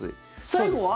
最後は？